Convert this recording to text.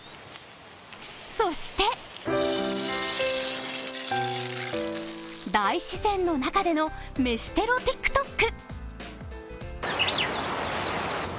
そして大自然の中での飯テロＴｉｋＴｏｋ。